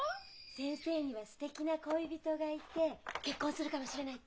・先生にはすてきな恋人がいて結婚するかもしれないって。